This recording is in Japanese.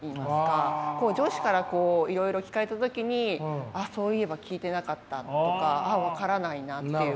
上司からいろいろ聞かれた時にそういえば聞いてなかったとかあっ分からないなっていうことで。